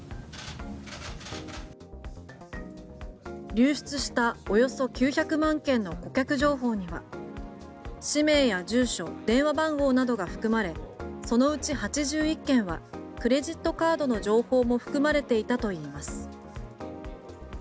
流出したおよそ９００万件の顧客情報には氏名や住所電話番号などが含まれそのうち８１件はクレジットカードの情報も含まれていたといいます。